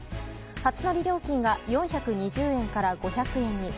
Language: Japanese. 初乗り料金が４２０円から５００円に。